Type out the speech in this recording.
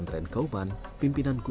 tahlilan itu biasa